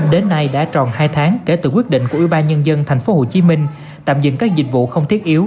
đến nay đã tròn hai tháng kể từ quyết định của ubnd tp hcm tạm dừng các dịch vụ không thiết yếu